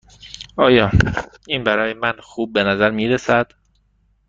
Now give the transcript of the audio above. آیا این برای من خوب به نظر می رسد؟